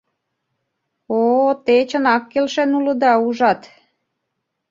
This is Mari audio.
О-о, те, чынак, келшен улыда, ужат...